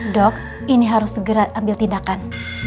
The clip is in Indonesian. dok ini harus segera ambil tindakan